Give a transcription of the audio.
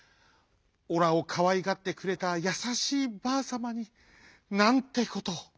オラをかわいがってくれたやさしいばあさまになんてことを。